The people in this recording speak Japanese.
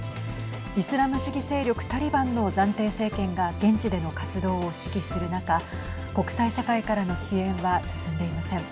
イスラム主義勢力タリバンの暫定政権が現地での活動を指揮する中国際社会からの支援は進んでいません。